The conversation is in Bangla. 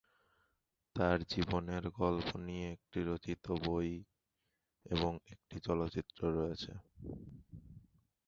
তাঁর জীবনের গল্প নিয়ে একটি বই এবং একটি চলচ্চিত্র রয়েছে।